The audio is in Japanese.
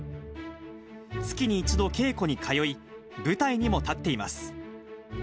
月に１度稽古に通い、舞台にも立っています。